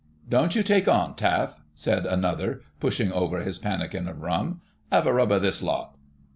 "Don't you take on, Taff," said another, pushing over his pannikin of rum. "'Ave a rub at this lot."